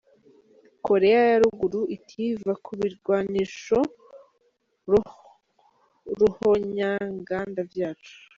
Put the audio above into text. Korea ya ruguru iti "va ku birwanisho ruhonyanganda vyacu".